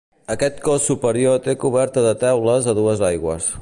Aquest cos superior té coberta de teules a dues aigües.